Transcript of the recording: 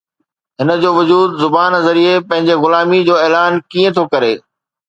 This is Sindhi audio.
هن جو وجود زبان ذريعي پنهنجي غلاميءَ جو اعلان ڪيئن ٿو ڪري؟